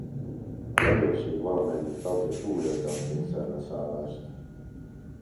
A legénység valamennyi tagja túlélte a kényszerleszállást.